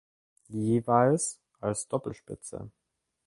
Jeweils als Doppelspitze.